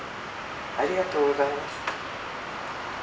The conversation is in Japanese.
ありがとうございます。